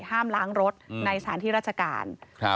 ห้ามล้างรถในสถานที่ราชการ